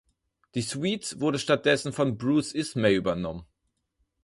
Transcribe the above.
Die Suite wurde stattdessen von Bruce Ismay übernommen.